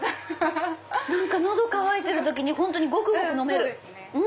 何か喉渇いてる時に本当にごくごく飲める。